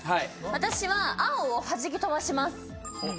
私は青をはじき飛ばします。